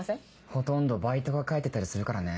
ほとんどバイトが書いてたりするからね。